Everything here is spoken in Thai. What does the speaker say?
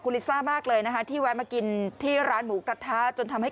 ลิซ่ามากเลยนะคะที่แวะมากินที่ร้านหมูกระทะจนทำให้